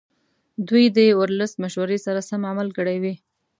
دوی د ورلسټ مشورې سره سم عمل کړی وي.